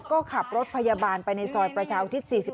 ก็ขับรถพยาบาลไปในซอยประชาอุทิศ๔๔